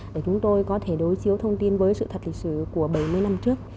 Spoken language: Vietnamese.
để chúng tôi có thể đối chiếu thông tin với sự thật lịch sử của bảy mươi năm trước